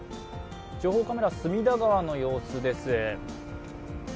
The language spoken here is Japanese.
情報カメラは隅田川の様子です。